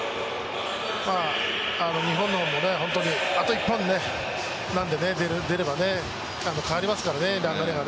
日本の方も本当にあと１本なんでね出れば変わりますからね、流れが。